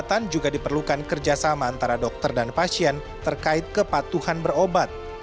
kesehatan juga diperlukan kerjasama antara dokter dan pasien terkait kepatuhan berobat